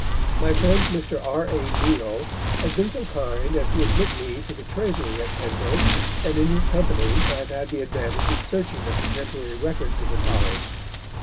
My friend Mr. R.A. Neil has been so kind as to admit me to the Treasury at Pembroke, and in his company I have had the advantage of searching the contemporary records of the college.